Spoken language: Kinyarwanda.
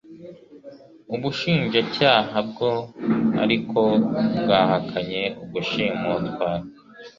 Ubushinjacyaha bwo ariko bwahakanye ugushimutwa